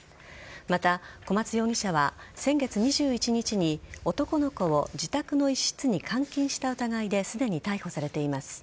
また、小松容疑者は先月２１日に男の子を自宅の一室に監禁した疑いですでに逮捕されています。